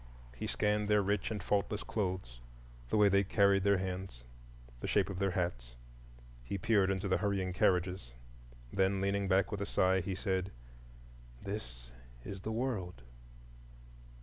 He scanned their rich and faultless clothes, the way they carried their hands, the shape of their hats; he peered into the hurrying carriages. Then, leaning back with a sigh, he said, "This is the World."